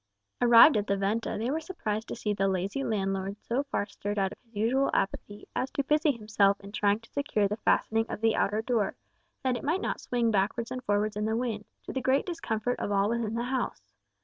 [#] An inn. Arrived at the venta, they were surprised to see the lazy landlord so far stirred out of his usual apathy as to busy himself in trying to secure the fastening of the outer door, that it might not swing backwards and forwards in the wind, to the great discomfort of all within the house.